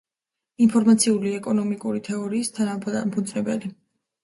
ინფორმაციული ეკონომიკური თეორიის თანადამფუძნებელი.